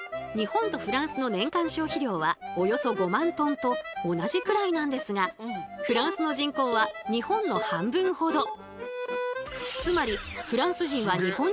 日本とフランスの年間消費量はおよそ５万トンと同じくらいなんですがフランスの人口は日本の半分ほど。